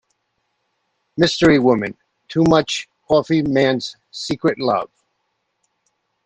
Mystery Woman - Too Much Coffee Man's secret love.